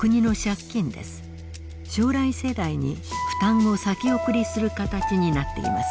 将来世代に負担を先送りする形になっています。